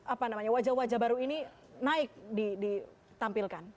apa namanya wajah wajah baru ini naik ditampilkan